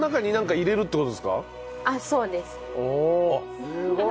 あっそうです。